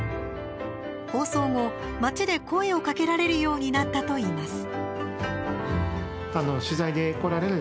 放送後、町で声をかけられるようになったといいます。